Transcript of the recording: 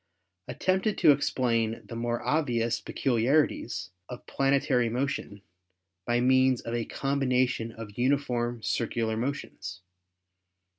at tempted to explain the more obvious peculiarities of plane tary motion by means of a combination of uniform circu lar motions.